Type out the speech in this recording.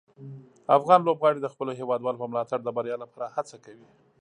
افغان لوبغاړي د خپلو هیوادوالو په ملاتړ د بریا لپاره هڅه کوي.